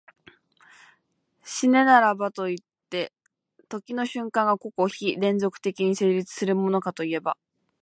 然らばといって、時の瞬間が個々非連続的に成立するものかといえば、